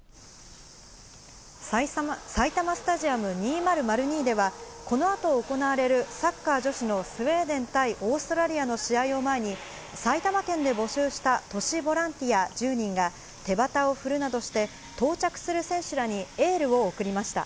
埼玉スタジアム２００２では、このあと行われるサッカー女子のスウェーデン対オーストラリアの試合を前に、埼玉県で募集した都市ボランティア１０人が、手旗を振るなどして、到着する選手らにエールを送りました。